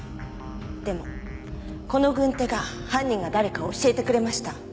でもこの軍手が犯人が誰かを教えてくれました。